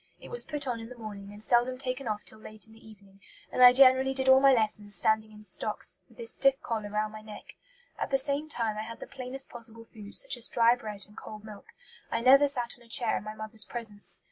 It was put on in the morning, and seldom taken off till late in the evening, and I generally did all my lessons standing in stocks, with this stiff collar round my neck. At the same time I had the plainest possible food, such as dry bread and cold milk. I never sat on a chair in my mother's presence.